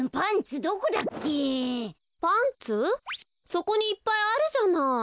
そこにいっぱいあるじゃない。